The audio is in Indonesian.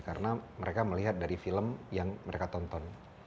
karena mereka melihat dari film yang mereka tonton